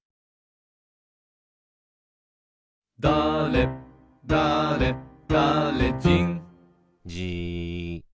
「だれだれだれじん」じーっ。